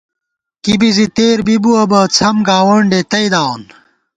کی بی زی تېر بِبُوَہ بہ څھم گاونڈے تئ داوون